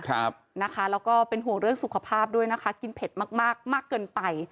แล้วก็เป็นห่วงเรื่องสุขภาพด้วยนะคะกินเผ็ดมากมากเกินไป